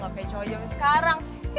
gak payah cowok cowok sekarang